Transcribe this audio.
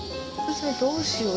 どうしよう？